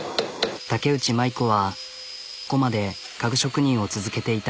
武内舞子はＫＯＭＡで家具職人を続けていた。